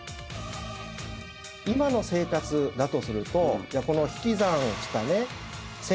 今の生活だとすると引き算したね